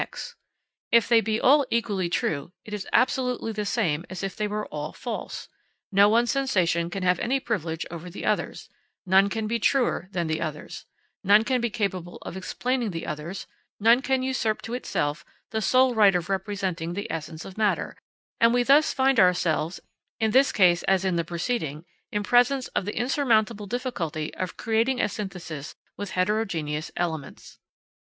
_ If they be all equally true, it is absolutely the same as if they were all false; no one sensation can have any privilege over the others, none can be truer than the others, none can be capable of explaining the others, none can usurp to itself the sole right of representing the essence of matter; and we thus find ourselves, in this case, as in the preceding, in presence of the insurmountable difficulty of creating a synthesis with heterogeneous elements.